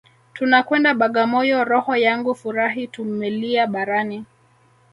Tunakwenda Bagamoyo roho yangu furahi tumelia barani